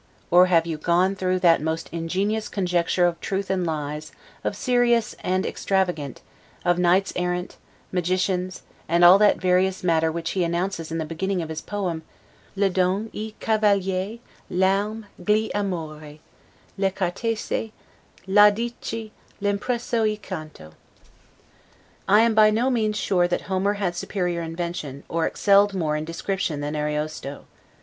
Or have you gone through that most ingenious contexture of truth and lies, of serious and extravagant, of knights errant, magicians, and all that various matter which he announces in the beginning of his poem: Le Donne, I Cavalier, l'arme, gli amori, Le cortesie, l'audaci impreso io canto. I am by no means sure that Homer had superior invention, or excelled more in description than Ariosto.